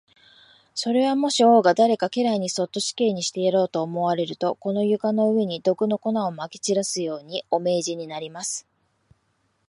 それは、もし王が誰か家来をそっと死刑にしてやろうと思われると、この床の上に、毒の粉をまき散らすように、お命じになります。